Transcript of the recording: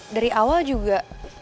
dari awal juga